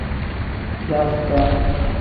Dafukaa.